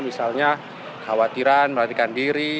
misalnya khawatiran melakukan diri